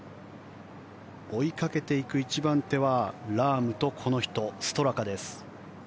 追いかけていく１番手はラームとこの人、ストラカです。